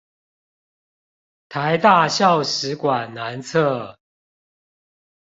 臺大校史館南側